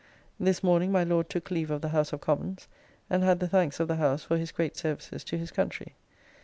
This morning my Lord took leave of the House of Commons, and had the thanks of the House for his great services to his country.